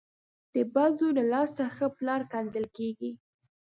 ـ د بد زوی له لاسه ښه پلار کنځل کېږي .